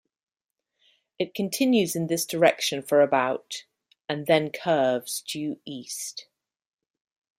It continues in this direction for about and then curves due east.